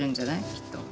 きっと。